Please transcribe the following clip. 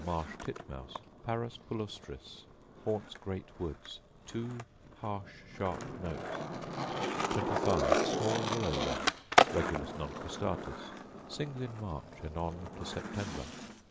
Marsh titmouse, Parus palustris: Haunts great woods; two harsh sharp notes. 25. Small willow wren, Regulus non cristatus: Sings in March and on to September.